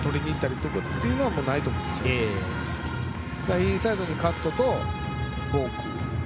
インサイドにカットとフォーク